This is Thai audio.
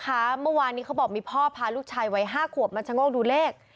เมื่อวานนี้เขาบอกมีพ่อพาลูกชายวัย๕ขวบมาชะโงกดูเลข